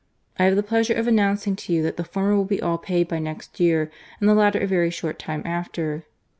I have the pleasure of announcing to you that the former will be all paid by next year, and the latter a very short time after."